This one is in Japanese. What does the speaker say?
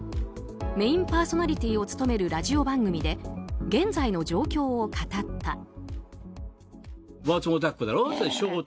メインパーソナリティーを務めるラジオ番組で現在の状況を語った。